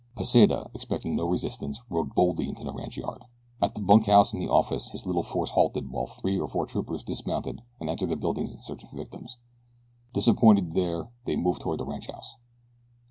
Pesita, expecting no resistance, rode boldly into the ranchyard. At the bunkhouse and the office his little force halted while three or four troopers dismounted and entered the buildings in search of victims. Disappointed there they moved toward the ranchhouse.